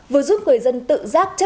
vừa giúp người dân tự giác